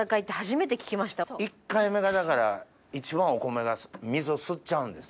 １回目が一番お米が水を吸っちゃうんですって。